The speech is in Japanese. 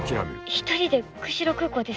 一人で釧路空港ですか？